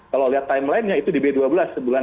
kalau lihat timelinenya itu di b dua belas bulan dua belas